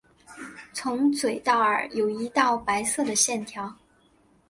从嘴到耳有一道白色的线条。